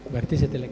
berarti setelah itu